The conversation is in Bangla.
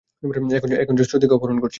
এখন সে শ্রুতিকে অপহরণ করছে।